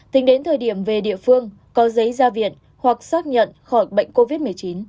tính đến thời điểm về địa phương có giấy ra viện hoặc xác nhận khỏi bệnh covid một mươi chín